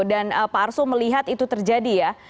dan pak arso melihat itu terjadi ya